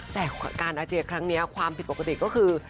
แต่การอาเจียครั้งนี้ความผิดปกติก็คือ